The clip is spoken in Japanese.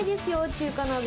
中華鍋。